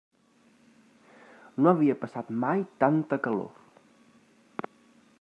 No havia passat mai tanta calor.